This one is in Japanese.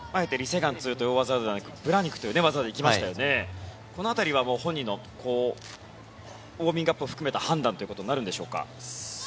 ・セグァン２という大技ではなくブラニクという技でしたがこの辺りは本人のウォーミングアップを含めた判断ということになるんでしょうか。